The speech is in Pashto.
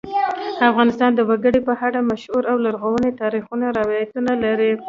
افغانستان د وګړي په اړه مشهور او لرغوني تاریخی روایتونه لري.